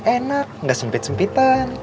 enak nggak sempit sempitan